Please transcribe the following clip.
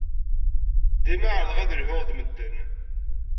Dima ɛerrḍeɣ ad lhuɣ ed medden.